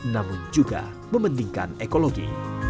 namun juga membandingkan ekologi